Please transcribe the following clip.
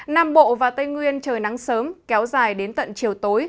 nam bộ và tây nguyên trời nắng sớm kéo dài đến tận chiều tối